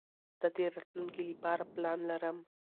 زه د راتلونکي له پاره پلان لرم.